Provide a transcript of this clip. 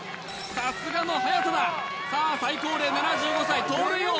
さすがの速さださあ最高齢７５歳盗塁王